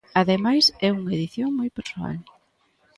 Ademais, é unha edición moi persoal.